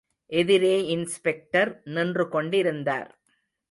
எதிரே இன்ஸ்பெக்டர் நின்று கொண்டிருந்தார்.